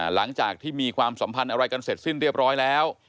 หลังจากที่มีความสัมพันธ์อะไรกันเสร็จสิ้นเรียบร้อยแล้ว